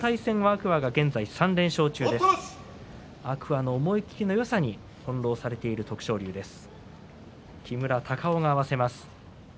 天空海の思い切りのよさに翻弄されている徳勝龍です。